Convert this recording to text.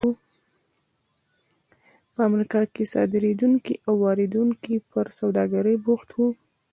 په امریکا کې صادروونکي او واردوونکي پر سوداګرۍ بوخت وو.